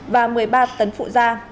và một mươi ba tấn phụ da